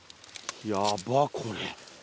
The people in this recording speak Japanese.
やばっこれ。